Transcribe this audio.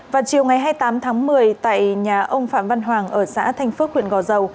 vào chiều ngày hai mươi tám tháng một mươi tại nhà ông phạm văn hoàng ở xã thanh phước huyện gò dầu